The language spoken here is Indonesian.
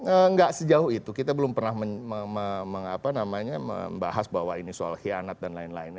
enggak sejauh itu kita belum pernah membahas bahwa ini soal hianat dan lain lain